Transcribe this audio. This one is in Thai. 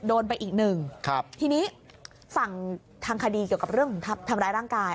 โดนไปอีกหนึ่งครับทีนี้ฝั่งทางคดีเกี่ยวกับเรื่องของทำร้ายร่างกาย